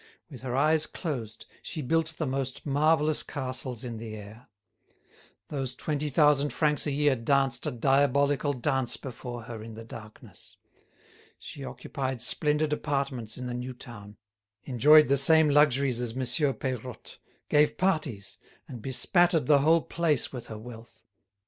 With her eyes closed she built the most marvellous castles in the air. Those twenty thousand francs a year danced a diabolical dance before her in the darkness. She occupied splendid apartments in the new town, enjoyed the same luxuries as Monsieur Peirotte, gave parties, and bespattered the whole place with her wealth.